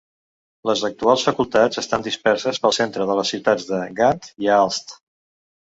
Les actuals facultats estan disperses pel centre de les ciutats de Gant i Aalst.